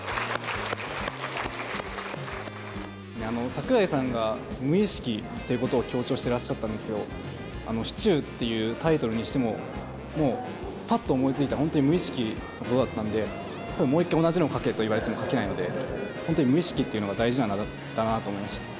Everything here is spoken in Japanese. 桜井さんが無意識っていうことを強調してらっしゃったんですけど「シチュー」っていうタイトルにしてももうパッと思いついた本当に無意識のことだったんで多分もう一回同じのを書けと言われても書けないので本当に無意識っていうのが大事なんだなと思いました。